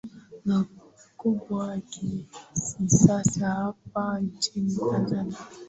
na kubwa kisisasa hap nchini Tanzania